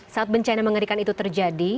saat bencana mengerikan itu terjadi